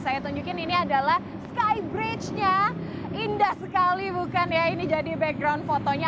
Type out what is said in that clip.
saya tunjukin ini adalah skybridge nya indah sekali bukan ya ini jadi background fotonya